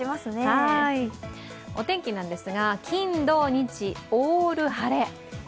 お天気なんですが金、土、日、オール晴れ。